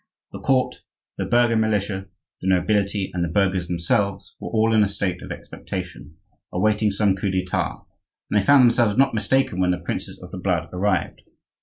The court, the burgher militia, the nobility, and the burghers themselves were all in a state of expectation, awaiting some coup d'Etat; and they found themselves not mistaken when the princes of the blood arrived.